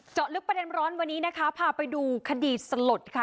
เจาะลึกประเด็นร้อนวันนี้นะคะพาไปดูคดีสลดค่ะ